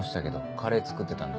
カレー作ってたんで。